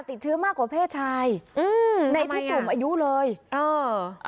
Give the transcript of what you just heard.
ติดเชื้อมากกว่าเพศชายอืมในทุกกลุ่มอายุเลยเออ